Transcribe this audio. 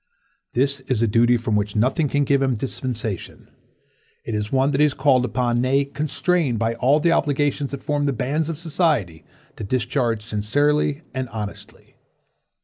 This is a duty from which nothing can give him a dispensation. 'T is one that he is called upon, nay, constrained by all the obligations that form the bands of society, to discharge sincerely and honestly.